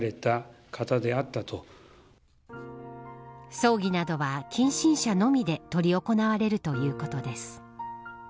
葬儀などは近親者のみで執り行われるということです。